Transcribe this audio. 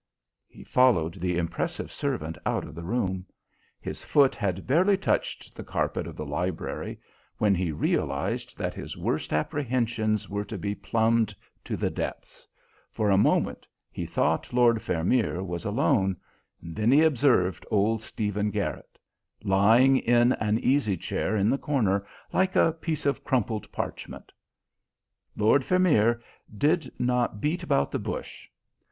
He followed the impressive servant out of the room. His foot had barely touched the carpet of the library when he realized that his worst apprehensions were to be plumbed to the depths. For a moment he thought Lord Vermeer was alone, then he observed old Stephen Garrit, lying in an easy chair in the corner like a piece of crumpled parchment. Lord Vermeer did not beat about the bush.